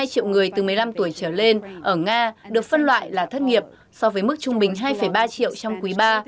trong thời gian trở lên ở nga được phân loại là thất nghiệp so với mức trung bình hai ba triệu trong quý ba